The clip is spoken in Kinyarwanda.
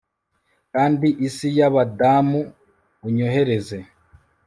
kandi isi y'abadamu unyohereze